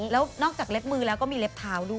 แล้วนอกจากเล็บมือแล้วก็มีเล็บเท้าด้วย